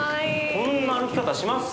こんな歩き方します？